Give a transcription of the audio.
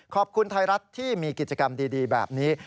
ขอบคุณไทยรัฐที่มีกิจกรรมดีแบบนี้